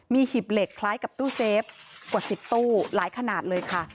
มีหีบเหล็กคล้ายกับตู้เซฟกว่า๑๐ตู้หลายขนาดเลยค่ะ